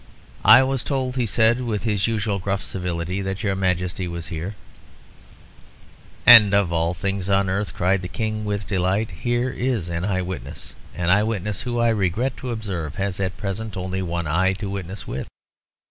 "I was told," he said, with his usual gruff civility, "that your Majesty was here." "And of all things on earth," cried the King, with delight, "here is an eye witness! An eye witness who, I regret to observe, has at present only one eye to witness with.